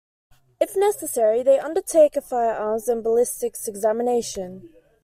If necessary, they undertake a firearms and ballistics examination.